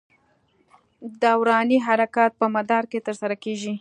دوراني حرکت په مدار کې تر سره کېږي.